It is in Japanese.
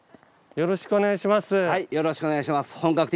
よろしくお願いします。